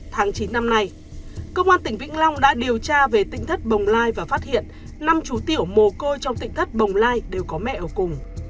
tháng chín năm nay công an tỉnh vĩnh long đã điều tra về tỉnh thất bồng lai và phát hiện năm chú tiểu mồ côi trong tỉnh thất bồng lai đều có mẹ ở cùng